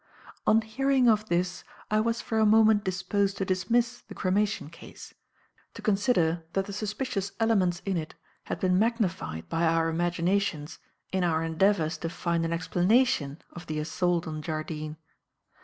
On hearing of this I was for a moment disposed to dismiss the cremation case; to consider that the suspicious elements in it had been magnified by our imaginations in our endeavours to find an explanation of the assault on Jardine.